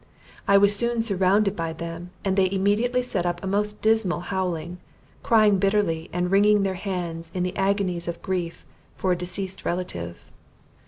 I was soon surrounded by them, and they immediately set up a most dismal howling, crying bitterly, and wringing their hands in all the agonies of grief for a deceased relative.